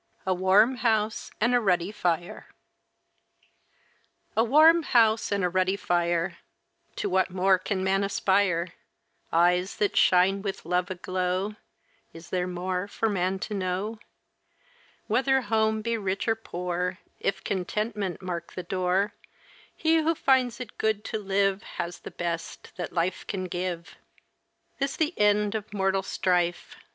A WARM HOUSE AND A RUDDY FIRE A warm house and a ruddy fire, To what more can man aspire? Eyes that shine with love aglow, Is there more for man to know? Whether home be rich or poor, If contentment mark the door He who finds it good to live Has the best that life can give. This the end of mortal strife!